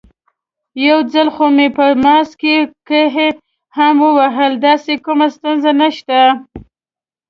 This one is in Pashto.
یو ځل خو مې په ماسک کې قی هم وهلی، داسې کومه ستونزه نشته.